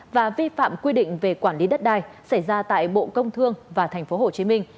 và vi phạm quy định về quản lý đất đai xảy ra tại bộ công thương và tp hcm